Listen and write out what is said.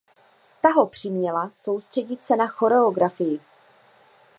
Ta ho přiměla soustředit se na choreografii.